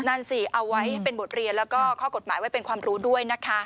นั่นสิเอาไว้ให้เป็นบทเรียนแล้วก็ข้อกฎหมายไว้เป็นความรู้ด้วยนะคะ